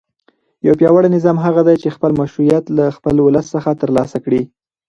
یو پیاوړی نظام هغه دی چې خپل مشروعیت له خپل ولس څخه ترلاسه کړي.